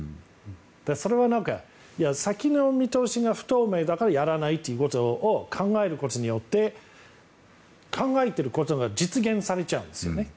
それは先の見通しが不透明だからやらないということを考えることによって考えていることが実現されちゃうんですよね。